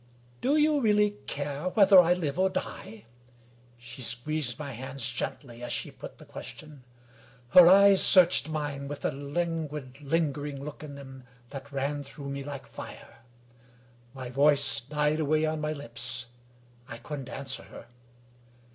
Do you really care whether I live or die?" She squeezed my hands gently as she put the question: her eyes searched mine with a languid, linger ing look in them that ran through me like fire. My voice died away on my lips ; I couldn't answer her.